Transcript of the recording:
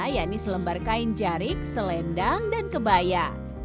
yaitu selembar kain jarik selendang dan kebaya